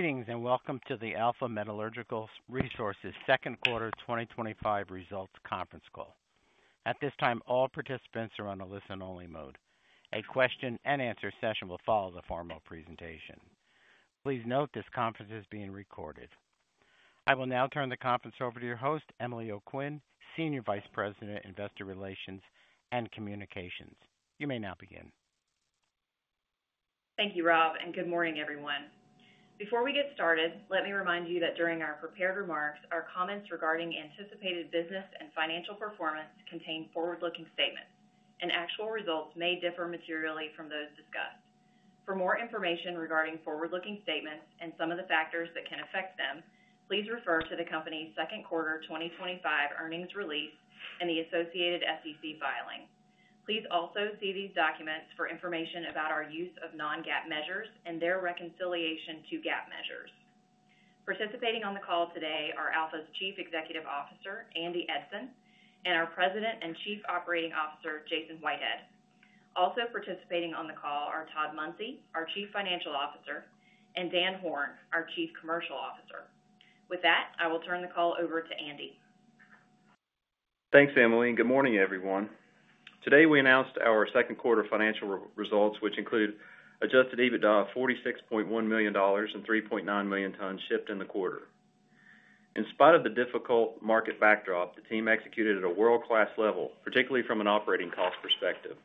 Greetings and welcome to the Alpha Metallurgical Resources second quarter 2025 results conference call. At this time, all participants are on a listen-only mode. A question and answer session will follow the formal presentation. Please note this conference is being recorded. I will now turn the conference over to your host, Emily O'Quinn, Senior Vice President, Investor Relations and Communications. You may now begin. Thank you, Rob, and good morning, everyone. Before we get started, let me remind you that during our prepared remarks, our comments regarding anticipated business and financial performance contain forward-looking statements, and actual results may differ materially from those discussed. For more information regarding forward-looking statements and some of the factors that can affect them, please refer to the company's second quarter 2025 earnings release and the associated SEC filing. Please also see these documents for information about our use of non-GAAP measures and their reconciliation to GAAP measures. Participating on the call today are Alpha Metallurgical Resources' Chief Executive Officer, Andy Eidson, and our President and Chief Operating Officer, Jason Whitehead. Also participating on the call are Todd Munsey, our Chief Financial Officer, and Dan Horn, our Chief Commercial Officer. With that, I will turn the call over to Andy. Thanks, Emily, and good morning, everyone. Today, we announced our second quarter financial results, which include an adjusted EBITDA of $46.1 million and 3.9 million tons shipped in the quarter. In spite of the difficult market backdrop, the team executed at a world-class level, particularly from an operating cost perspective.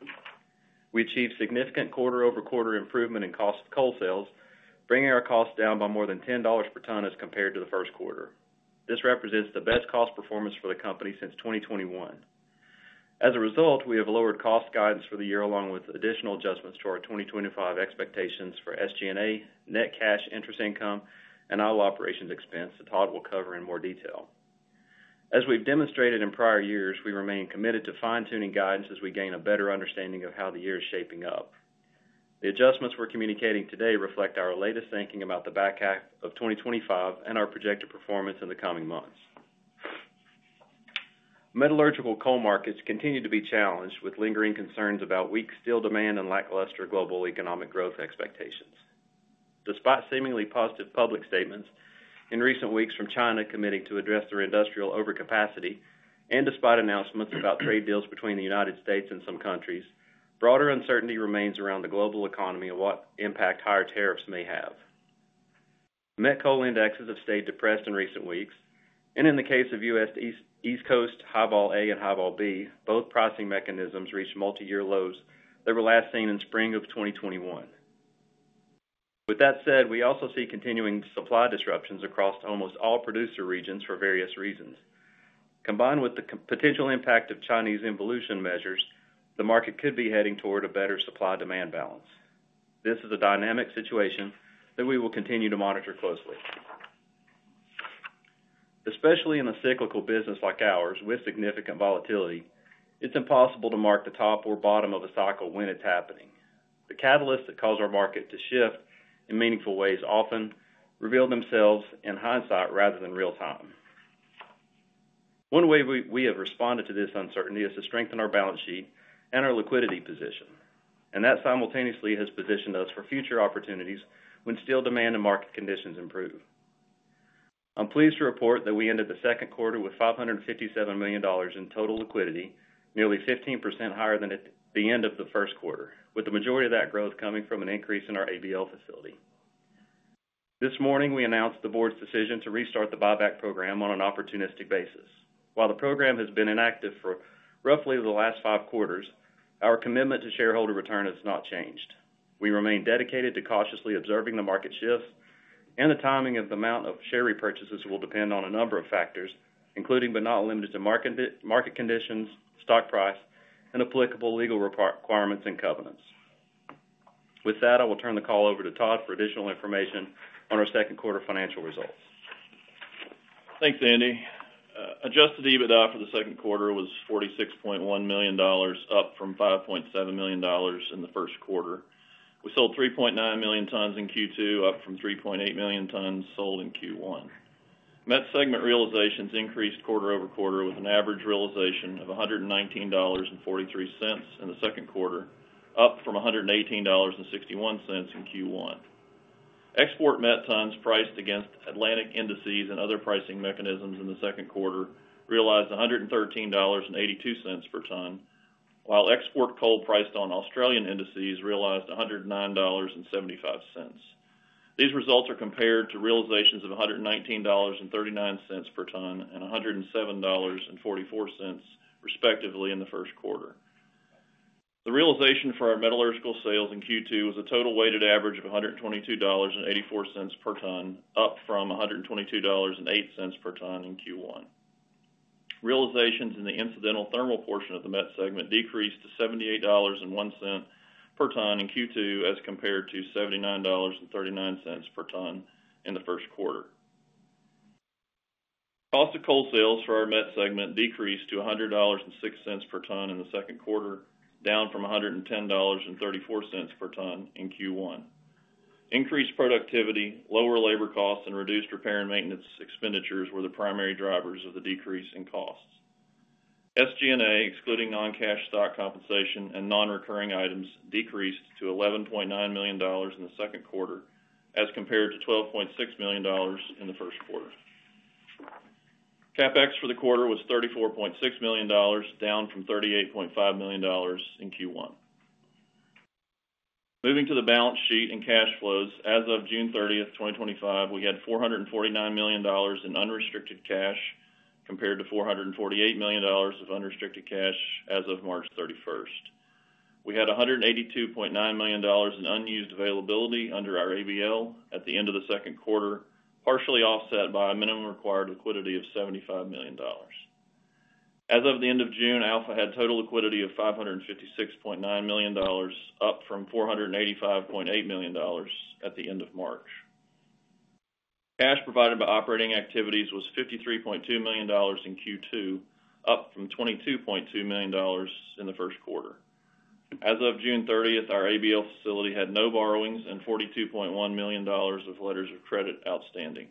We achieved significant quarter-over-quarter improvement in cost of coal sales, bringing our cost down by more than $10 per ton as compared to the first quarter. This represents the best cost performance for the company since 2021. As a result, we have lowered cost guidance for the year, along with additional adjustments to our 2025 expectations for SG&A, net cash interest income, and idle operations expense that Todd will cover in more detail. As we've demonstrated in prior years, we remain committed to fine-tuning guidance as we gain a better understanding of how the year is shaping up. The adjustments we're communicating today reflect our latest thinking about the back half of 2025 and our projected performance in the coming months. Metallurgical coal markets continue to be challenged with lingering concerns about weak steel demand and lackluster global economic growth expectations. Despite seemingly positive public statements in recent weeks from China committing to address their industrial overcapacity, and despite announcements about trade deals between the United States and some countries, broader uncertainty remains around the global economy and what impact higher tariffs may have. Met coal indexes have stayed depressed in recent weeks, and in the case of U.S. East Coast Highball A and Highball B, both pricing mechanisms reached multi-year lows that were last seen in spring of 2021. With that said, we also see continuing supply disruptions across almost all producer regions for various reasons. Combined with the potential impact of Chinese involution measures, the market could be heading toward a better supply-demand balance. This is a dynamic situation that we will continue to monitor closely. Especially in a cyclical business like ours, with significant volatility, it's impossible to mark the top or bottom of a cycle when it's happening. The catalysts that cause our market to shift in meaningful ways often reveal themselves in hindsight rather than real time. One way we have responded to this uncertainty is to strengthen our balance sheet and our liquidity position, and that simultaneously has positioned us for future opportunities when steel demand and market conditions improve. I'm pleased to report that we ended the second quarter with $557 million in total liquidity, nearly 15% higher than at the end of the first quarter, with the majority of that growth coming from an increase in our ABL facility. This morning, we announced the board's decision to restart the buyback program on an opportunistic basis. While the program has been inactive for roughly the last five quarters, our commitment to shareholder return has not changed. We remain dedicated to cautiously observing the market shifts, and the timing of the amount of share repurchases will depend on a number of factors, including but not limited to market conditions, stock price, and applicable legal requirements and covenants. With that, I will turn the call over to Todd for additional information on our second quarter financial results. Thanks, Andy. Adjusted EBITDA for the second quarter was $46.1 million, up from $5.7 million in the first quarter. We sold 3.9 million tons in Q2, up from 3.8 million tons sold in Q1. Met segment realizations increased quarter over quarter, with an average realization of $119.43 in the second quarter, up from $118.61 in Q1. Export met tons priced against Atlantic indices and other pricing mechanisms in the second quarter realized $113.82 per ton, while export coal priced on Australian indices realized $109.75. These results are compared to realizations of $119.39 per ton and $107.44, respectively, in the first quarter. The realization for our metallurgical sales in Q2 was a total weighted average of $122.84 per ton, up from $122.08 per ton in Q1. Realizations in the incidental thermal portion of the met segment decreased to $78.01 per ton in Q2, as compared to $79.39 per ton in the first quarter. Cost of coal sales for our met segment decreased to $100.06 per ton in the second quarter, down from $110.34 per ton in Q1. Increased productivity, lower labor costs, and reduced repair and maintenance expenditures were the primary drivers of the decrease in costs. SG&A, excluding non-cash stock compensation and non-recurring items, decreased to $11.9 million in the second quarter, as compared to $12.6 million in the first quarter. CapEx for the quarter was $34.6 million, down from $38.5 million in Q1. Moving to the balance sheet and cash flows, as of June 30, 2025, we had $449 million in unrestricted cash, compared to $448 million of unrestricted cash as of March 31. We had $182.9 million in unused availability under our ABL facility at the end of the second quarter, partially offset by a minimum required liquidity of $75 million. As of the end of June, Alpha Metallurgical Resources had total liquidity of $556.9 million, up from $485.8 million at the end of March. Cash provided by operating activities was $53.2 million in Q2, up from $22.2 million in the first quarter. As of June 30, our ABL facility had no borrowings and $42.1 million of letters of credit outstanding.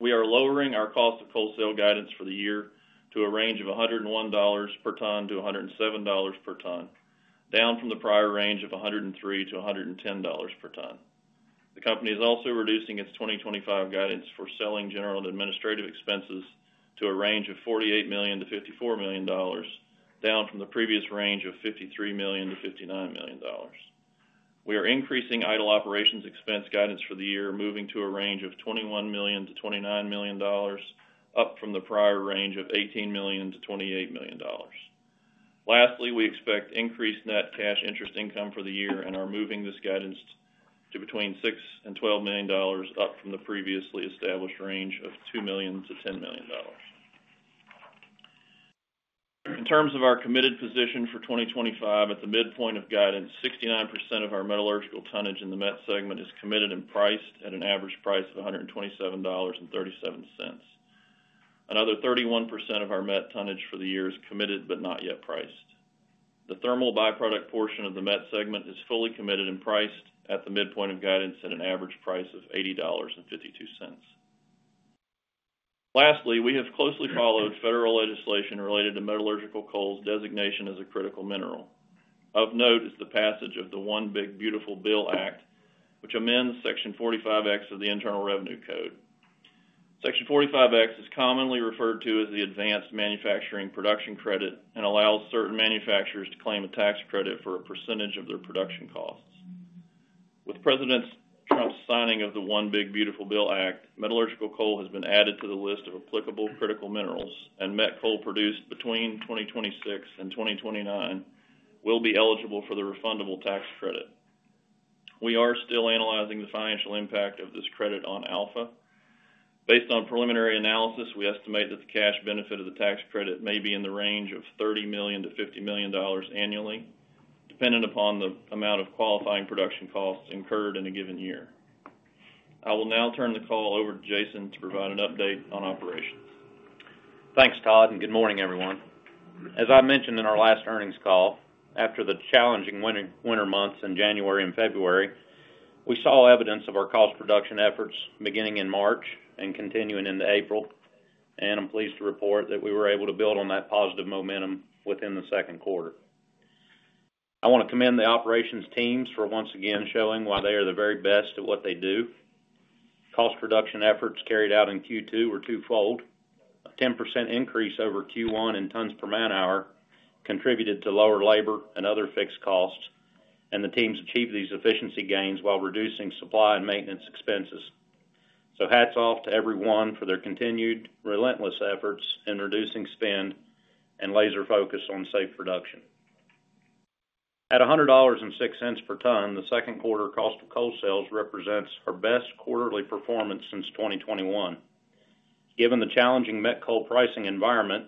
We are lowering our cost of coal sale guidance for the year to a range of $101 per ton to $107 per ton, down from the prior range of $103 to $110 per ton. The company is also reducing its 2025 guidance for selling, general, and administrative expenses to a range of $48 million-$54 million, down from the previous range of $53 million-$59 million. We are increasing idle operations expense guidance for the year, moving to a range of $21 million-$29 million, up from the prior range of $18 million-$28 million. Lastly, we expect increased net cash interest income for the year and are moving this guidance to between $6 million and $12 million, up from the previously established range of $2 million-$10 million. In terms of our committed position for 2025, at the midpoint of guidance, 69% of our metallurgical tonnage in the met segment is committed and priced at an average price of $127.37. Another 31% of our met tonnage for the year is committed but not yet priced. The thermal byproduct portion of the met segment is fully committed and priced at the midpoint of guidance at an average price of $80.52. Lastly, we have closely followed federal legislation related to metallurgical coal's designation as a critical mineral. Of note is the passage of the One Big Beautiful Bill Act, which amends Section 45(x) of the Internal Revenue Code. Section 45(x) is commonly referred to as the Advanced Manufacturing Production Credit and allows certain manufacturers to claim a tax credit for a percentage of their production costs. With President Trump's signing of the One Big Beautiful Bill Act, metallurgical coal has been added to the list of applicable critical minerals, and met coal produced between 2026 and 2029 will be eligible for the refundable tax credit. We are still analyzing the financial impact of this credit on Alpha. Based on preliminary analysis, we estimate that the cash benefit of the tax credit may be in the range of $30 million-$50 million annually, dependent upon the amount of qualifying production costs incurred in a given year. I will now turn the call over to Jason to provide an update on operations. Thanks, Todd, and good morning, everyone. As I mentioned in our last earnings call, after the challenging winter months in January and February, we saw evidence of our cost reduction efforts beginning in March and continuing into April, and I'm pleased to report that we were able to build on that positive momentum within the second quarter. I want to commend the operations teams for once again showing why they are the very best at what they do. Cost reduction efforts carried out in Q2 were twofold. A 10% increase over Q1 in tons per man-hour contributed to lower labor and other fixed costs, and the teams achieved these efficiency gains while reducing supply and maintenance expenses. Hats off to everyone for their continued relentless efforts in reducing spend and laser focus on safe production. At $100.06 per ton, the second quarter cost of coal sales represents our best quarterly performance since 2021. Given the challenging met coal pricing environment,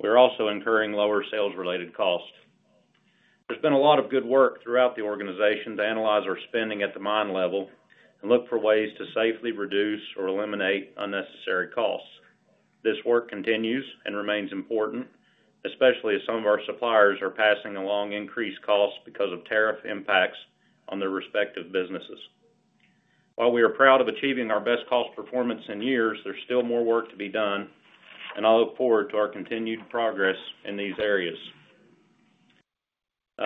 we are also incurring lower sales-related costs. There's been a lot of good work throughout the organization to analyze our spending at the mine level and look for ways to safely reduce or eliminate unnecessary costs. This work continues and remains important, especially as some of our suppliers are passing along increased costs because of tariff impacts on their respective businesses. While we are proud of achieving our best cost performance in years, there's still more work to be done, and I look forward to our continued progress in these areas.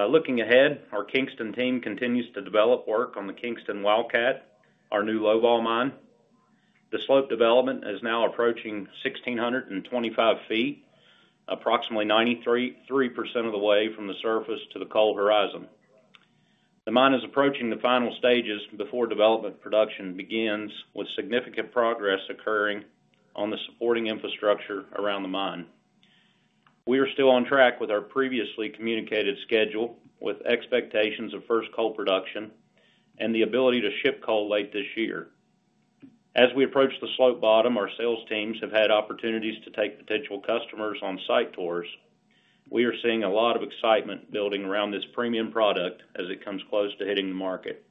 Looking ahead, our Kingston team continues to develop work on the Kingston Wildcat, our new lowball mine. The slope development is now approaching 1,625 feet, approximately 93% of the way from the surface to the coal horizon. The mine is approaching the final stages before development production begins, with significant progress occurring on the supporting infrastructure around the mine. We are still on track with our previously communicated schedule, with expectations of first coal production and the ability to ship coal late this year. As we approach the slope bottom, our sales teams have had opportunities to take potential customers on site tours. We are seeing a lot of excitement building around this premium product as it comes close to hitting the market.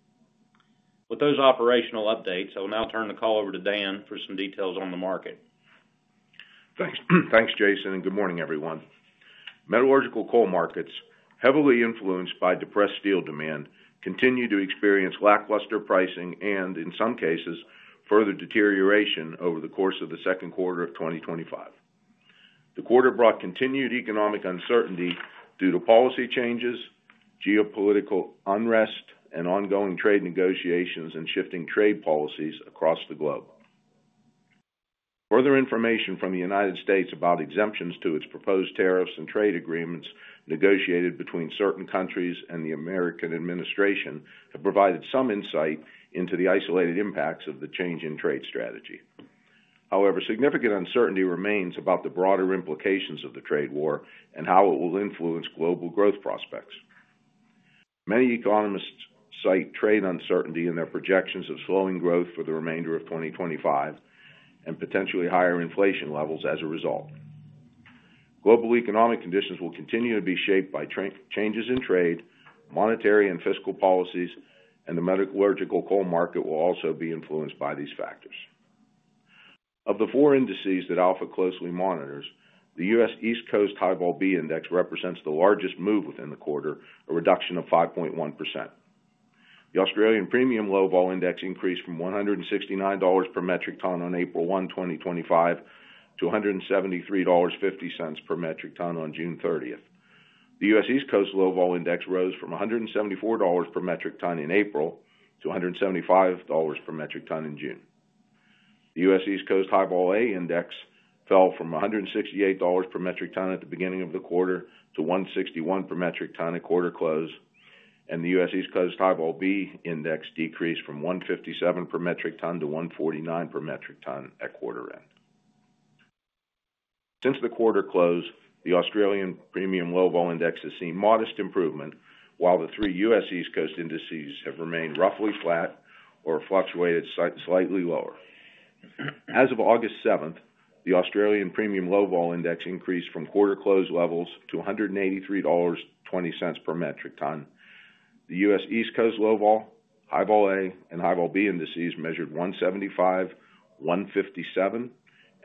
With those operational updates, I will now turn the call over to Dan for some details on the market. Thanks, Jason, and good morning, everyone. Metallurgical coal markets, heavily influenced by depressed steel demand, continue to experience lackluster pricing and, in some cases, further deterioration over the course of the second quarter of 2025. The quarter brought continued economic uncertainty due to policy changes, geopolitical unrest, and ongoing trade negotiations and shifting trade policies across the globe. Further information from the United States about exemptions to its proposed tariffs and trade agreements negotiated between certain countries and the American administration have provided some insight into the isolated impacts of the change in trade strategy. However, significant uncertainty remains about the broader implications of the trade war and how it will influence global growth prospects. Many economists cite trade uncertainty in their projections of slowing growth for the remainder of 2025 and potentially higher inflation levels as a result. Global economic conditions will continue to be shaped by changes in trade, monetary and fiscal policies, and the metallurgical coal market will also be influenced by these factors. Of the four indices that Alpha closely monitors, the U.S. East Coast Highball B Index represents the largest move within the quarter, a reduction of 5.1%. The Australian Premium Lowball Index increased from $169 per metric ton on April 1, 2025, to $173.50 per metric ton on June 30. The U.S. East Coast Lowball Index rose from $174 per metric ton in April to $175 per metric ton in June. The U.S. East Coast Highball A Index fell from $168 per metric ton at the beginning of the quarter to $161 per metric ton at quarter close, and the U.S. East Coast Highball B Index decreased from $157 per metric ton to $149 per metric ton at quarter end. Since the quarter close, the Australian Premium Lowball Index has seen modest improvement, while the three U.S. East Coast indices have remained roughly flat or fluctuated slightly lower. As of August 7, the Australian Premium Lowball Index increased from quarter close levels to $183.20 per metric ton. The U.S. East Coast Lowball, Highball A, and Highball B indices measured $175, $157,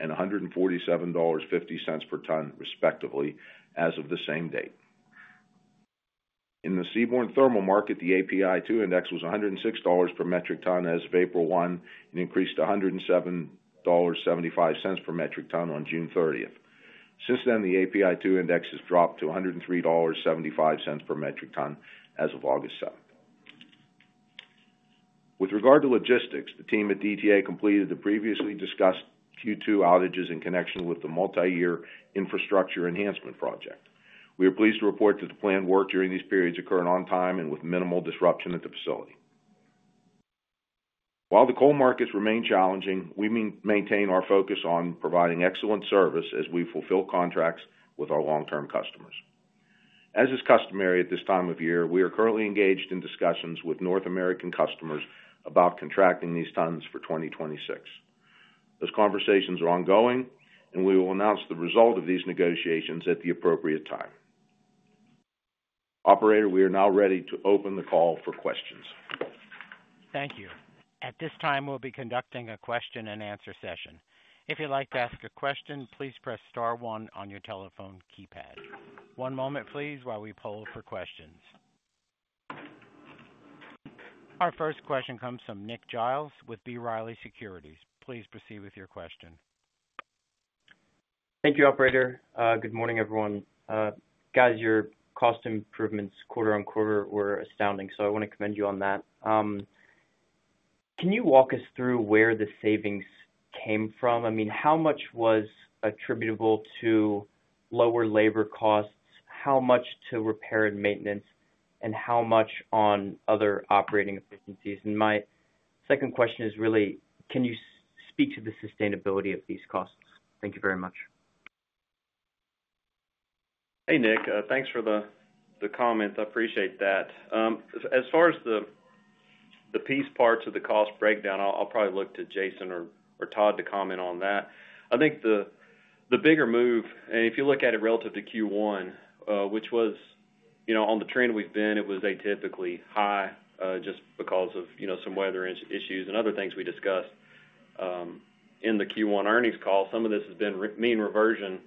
and $147.50 per ton, respectively, as of the same date. In the Seaborne Thermal Market, the API2 Index was $106 per metric ton as of April 1 and increased to $107.75 per metric ton on June 30. Since then, the API2 Index has dropped to $103.75 per metric ton as of August 7. With regard to logistics, the team at DTA completed the previously discussed Q2 outages in connection with the multi-year infrastructure enhancement project. We are pleased to report that the planned work during these periods occurred on time and with minimal disruption at the facility. While the coal markets remain challenging, we maintain our focus on providing excellent service as we fulfill contracts with our long-term customers. As is customary at this time of year, we are currently engaged in discussions with North American customers about contracting these tons for 2026. Those conversations are ongoing, and we will announce the result of these negotiations at the appropriate time. Operator, we are now ready to open the call for questions. Thank you. At this time, we'll be conducting a question and answer session. If you'd like to ask a question, please press star one on your telephone keypad. One moment, please, while we poll for questions. Our first question comes from Nick Giles with B. Riley Securities. Please proceed with your question. Thank you, Operator. Good morning, everyone. Guys, your cost improvements quarter on quarter were astounding. I want to commend you on that. Can you walk us through where the savings came from? I mean, how much was attributable to lower labor costs, how much to repair and maintenance, and how much on other operating efficiencies? My second question is really, can you speak to the sustainability of these costs? Thank you very much. Hey, Nick. Thanks for the comments. I appreciate that. As far as the piece parts of the cost breakdown, I'll probably look to Jason or Todd to comment on that. I think the bigger move, and if you look at it relative to Q1, which was, you know, on the trend we've been, it was atypically high just because of, you know, some weather issues and other things we discussed in the Q1 earnings call. Some of this has been mean reversion,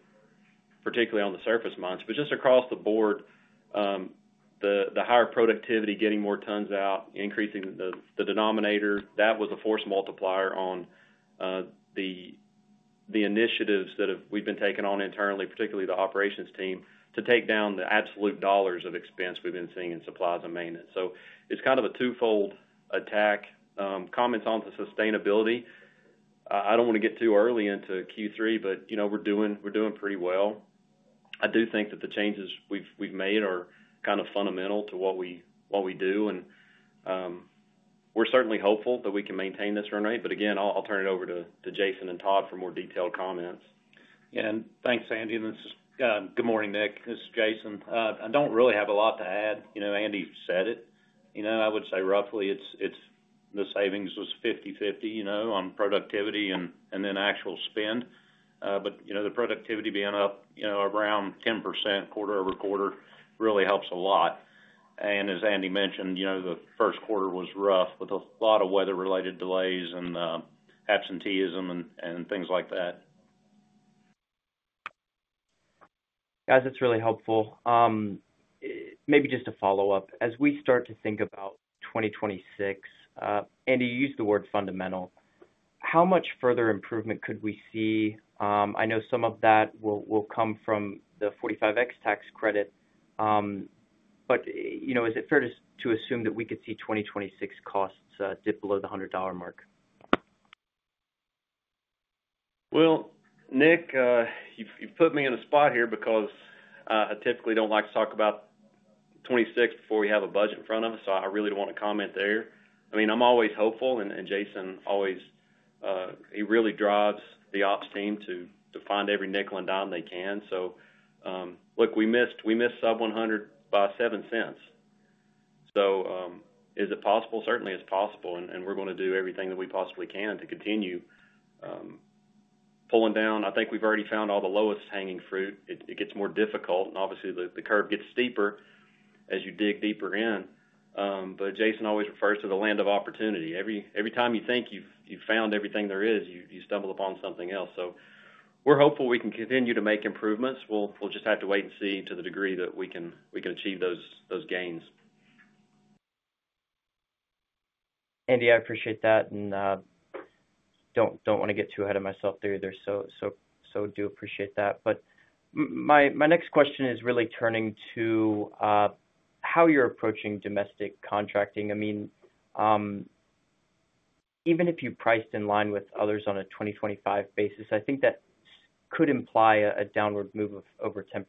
particularly on the surface months, but just across the board, the higher productivity, getting more tons out, increasing the denominator, that was a force multiplier on the initiatives that we've been taking on internally, particularly the operations team, to take down the absolute dollars of expense we've been seeing in supplies and maintenance. It's kind of a twofold attack. Comments on the sustainability, I don't want to get too early into Q3, but you know, we're doing pretty well. I do think that the changes we've made are kind of fundamental to what we do, and we're certainly hopeful that we can maintain this run rate, but again, I'll turn it over to Jason and Todd for more detailed comments. Yeah. Thank you, Andy, and good morning, Nick. This is Jason. I don't really have a lot to add. Andy said it. I would say roughly the savings was 50-50 on productivity and then actual spend. The productivity being up around 10% quarter over quarter really helps a lot. As Andy mentioned, the first quarter was rough with a lot of weather-related delays and absenteeism and things like that. Guys, that's really helpful. Maybe just to follow up, as we start to think about 2026, Andy, you used the word fundamental. How much further improvement could we see? I know some of that will come from the 45X tax credit, but you know, is it fair to assume that we could see 2026 costs dip below the $100 mark? Nick, you've put me in a spot here because I typically don't like to talk about 2026 before we have a budget in front of us, so I really don't want to comment there. I'm always hopeful, and Jason always really drives the ops team to find every nickel and dime they can. We missed sub-100 by $0.07. Is it possible? Certainly, it's possible, and we're going to do everything that we possibly can to continue pulling down. I think we've already found all the lowest hanging fruit. It gets more difficult, and obviously, the curve gets steeper as you dig deeper in. Jason always refers to the land of opportunity. Every time you think you've found everything there is, you stumble upon something else. We're hopeful we can continue to make improvements. We'll just have to wait and see to the degree that we can achieve those gains. Andy, I appreciate that, and don't want to get too ahead of myself there either, so do appreciate that. My next question is really turning to how you're approaching domestic contracting. Even if you priced in line with others on a 2025 basis, I think that could imply a downward move of over 10%.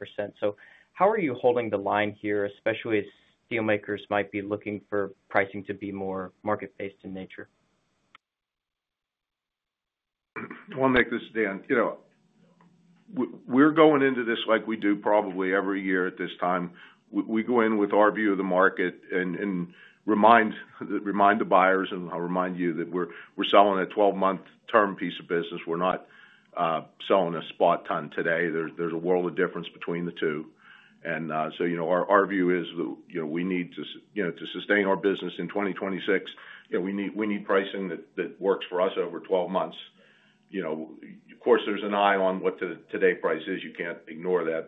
How are you holding the line here, especially as steelmakers might be looking for pricing to be more market-based in nature? I want to make this stand. You know, we're going into this like we do probably every year at this time. We go in with our view of the market and remind the buyers, and I'll remind you that we're selling a 12-month term piece of business. We're not selling a spot ton today. There's a world of difference between the two. Our view is that we need to sustain our business in 2026. We need pricing that works for us over 12 months. Of course, there's an eye on what the today price is. You can't ignore that.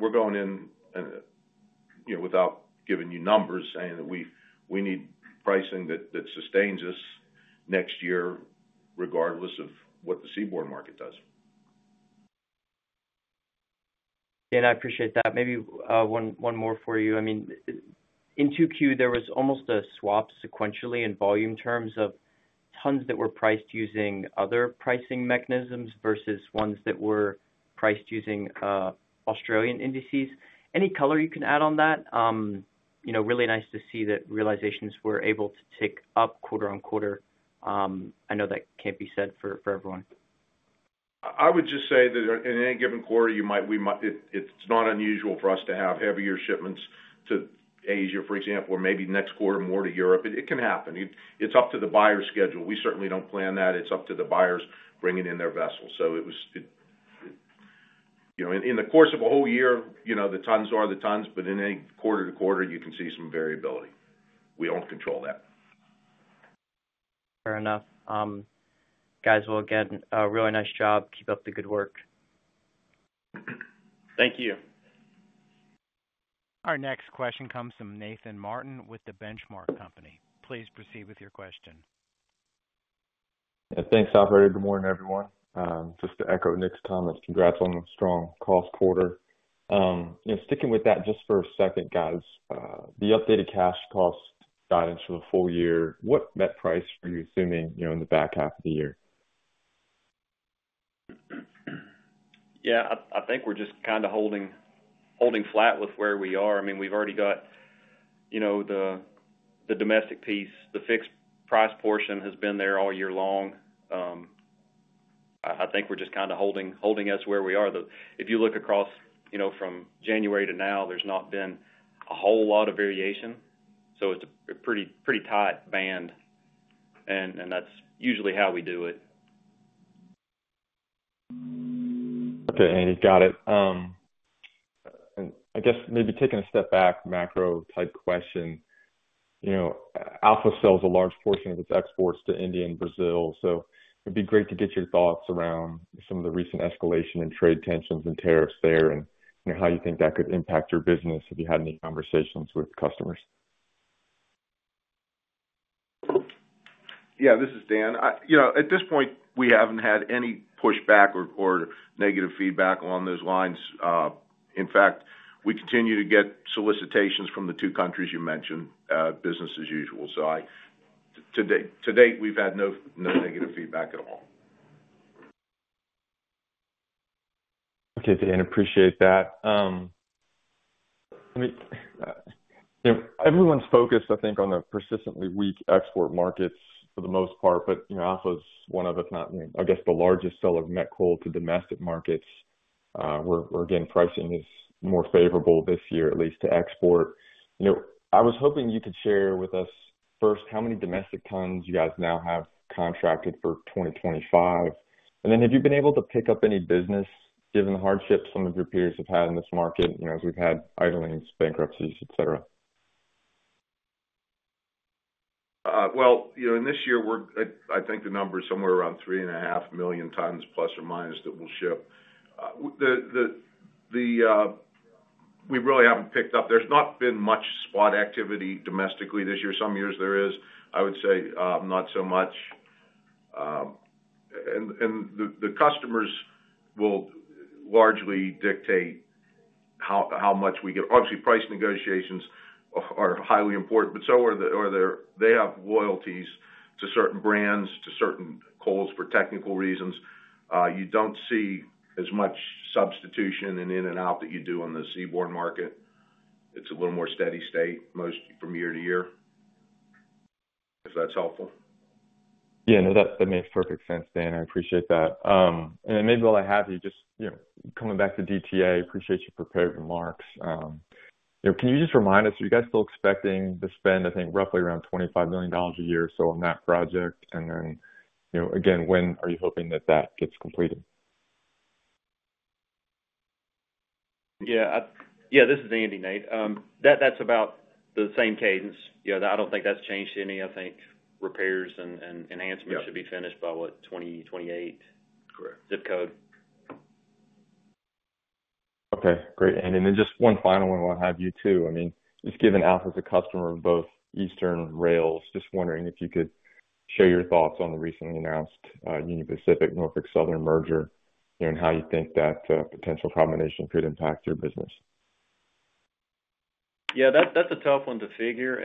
We're going in, without giving you numbers, saying that we need pricing that sustains us next year, regardless of what the seaborne market does. I appreciate that. Maybe one more for you. In Q2, there was almost a swap sequentially in volume terms of tons that were priced using other pricing mechanisms versus ones that were priced using Australian indices. Any color you can add on that? It's really nice to see that realizations were able to tick up quarter on quarter. I know that can't be said for everyone. I would just say that in any given quarter, it's not unusual for us to have heavier shipments to Asia, for example, or maybe next quarter more to Europe. It can happen. It's up to the buyer's schedule. We certainly don't plan that. It's up to the buyers bringing in their vessels. In the course of a whole year, the tons are the tons, but in any quarter to quarter, you can see some variability. We don't control that. Fair enough. Guys, again, a really nice job. Keep up the good work. Thank you. Our next question comes from Nathan Martin with The Benchmark Company. Please proceed with your question. Yeah, thanks, Operator. Good morning, everyone. Just to echo Nick Giles' comments, congrats on a strong cost quarter. Sticking with that just for a second, guys, the updated cash cost guidance for the full year, what net price are you assuming in the back half of the year? Yeah, I think we're just kind of holding flat with where we are. I mean, we've already got the domestic piece. The fixed price portion has been there all year long. I think we're just kind of holding us where we are. If you look across from January to now, there's not been a whole lot of variation. It's a pretty tight band, and that's usually how we do it. Okay, Andy, got it. I guess maybe taking a step back, macro type question. You know, Alpha sells a large portion of its exports to India and Brazil. It'd be great to get your thoughts around some of the recent escalation in trade tensions and tariffs there, and how you think that could impact your business if you had any conversations with customers. Yeah, this is Dan. At this point, we haven't had any pushback or negative feedback along those lines. In fact, we continue to get solicitations from the two countries you mentioned, business as usual. To date, we've had no negative feedback at all. Okay, Dan, appreciate that. Everyone's focused, I think, on the persistently weak export markets for the most part, but you know, Alpha's one of, if not, I guess, the largest seller of met coal to domestic markets, where again, pricing is more favorable this year, at least to export. I was hoping you could share with us first how many domestic tons you guys now have contracted for 2025. Have you been able to pick up any business given the hardships some of your peers have had in this market, as we've had idlings, bankruptcies, et cetera? In this year, I think the number is somewhere around 3.5 million tons, plus or minus, that we'll ship. We really haven't picked up. There's not been much spot activity domestically this year. Some years there is, I would say not so much. The customers will largely dictate how much we get. Obviously, price negotiations are highly important, but so are their loyalties to certain brands, to certain coals for technical reasons. You don't see as much substitution in and out that you do on the seaborne market. It's a little more steady state from year to year, if that's helpful. Yeah, no, that makes perfect sense, Dan. I appreciate that. Maybe while I have you, just coming back to DTA, I appreciate your prepared remarks. Can you just remind us, are you guys still expecting to spend, I think, roughly around $25 million a year or so on that project? When are you hoping that gets completed? Yeah, yeah, this is Andy Eidson, Nate. That's about the same cadence. I don't think that's changed any. I think repairs and enhancements should be finished by, what, 2028? Correct. Zip code. Okay, great. Just one final one I'll have you two. I mean, just given Alpha's a customer of both Eastern Rails, just wondering if you could share your thoughts on the recently announced Union Pacific-Norfolk Southern merger here and how you think that potential combination could impact your business. Yeah, that's a tough one to figure.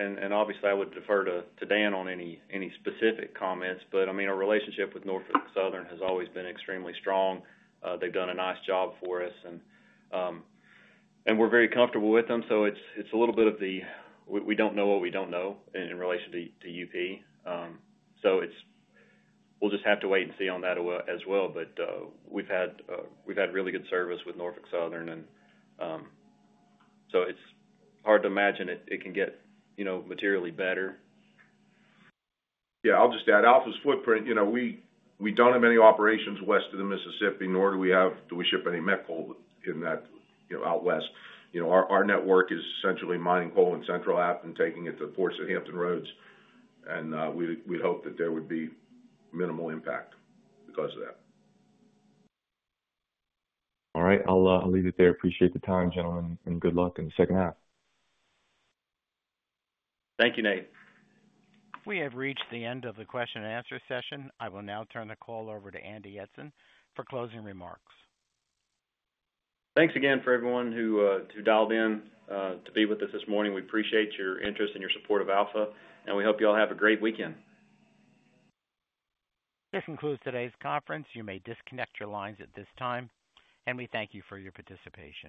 I would defer to Dan Horn on any specific comments, but our relationship with Norfolk Southern has always been extremely strong. They've done a nice job for us, and we're very comfortable with them. It's a little bit of the, we don't know what we don't know in relation to Union Pacific. We'll just have to wait and see on that as well. We've had really good service with Norfolk Southern, and it's hard to imagine it can get, you know, materially better. Yeah, I'll just add Alpha's footprint. We don't have any operations west of the Mississippi, nor do we ship any metallurgical coal out west. Our network is essentially mining coal in Central Appalachia and taking it to the portion of Hampton Roads. We'd hope that there would be minimal impact because of that. All right, I'll leave it there. Appreciate the time, gentlemen, and good luck in the second half. Thank you, Nate. We have reached the end of the question and answer session. I will now turn the call over to Andy Eidson for closing remarks. Thanks again for everyone who dialed in to be with us this morning. We appreciate your interest and your support of Alpha Metallurgical Resources, and we hope you all have a great weekend. This concludes today's conference. You may disconnect your lines at this time, and we thank you for your participation.